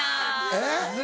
えっ？